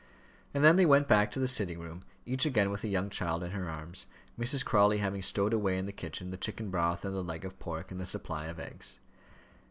And then they went back to the sitting room, each again with a young child in her arms, Mrs. Crawley having stowed away in the kitchen the chicken broth and the leg of pork and the supply of eggs.